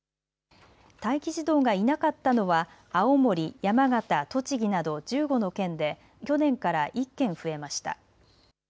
待機児童がいなかったのは青森、山形、栃木など１５の県で去年から１県増えました。